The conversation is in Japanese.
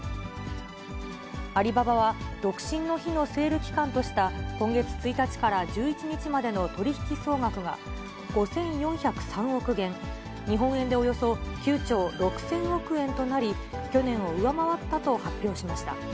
アリババは、独身の日のセール期間とした今月１日から１１日までの取り引き総額が５４０３億元、日本円でおよそ９兆６０００億円となり、去年を上回ったと発表しました。